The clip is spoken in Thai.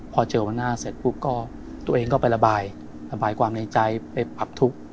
พอเจอวันหน้าเสร็จปุ๊บก็ตัวเองก็ไประบายระบายความในใจไปผับทุกข์